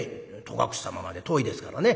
戸隠様まで遠いですからね。